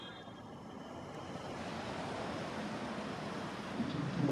এদিকে আবহাওয়া অধিদপ্তরের পূর্বাভাস অনুযায়ী আরও দু-তিন দিন তেমন বৃষ্টির সম্ভাবনা নেই।